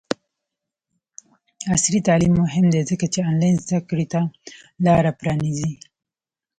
عصري تعلیم مهم دی ځکه چې آنلاین زدکړې ته لاره پرانیزي.